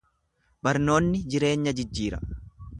Barnoonni jireenya jijjiira.